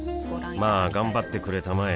まあ頑張ってくれたまえ